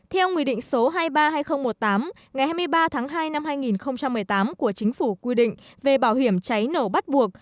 theo nguyên định số hai trăm ba mươi hai nghìn một mươi tám ngày hai mươi ba tháng hai năm hai nghìn một mươi tám của chính phủ quy định về bảo hiểm cháy nổ bắt buộc